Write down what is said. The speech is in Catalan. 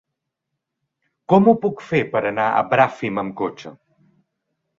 Com ho puc fer per anar a Bràfim amb cotxe?